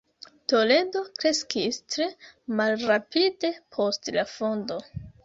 Toledo kreskis tre malrapide post la fondo.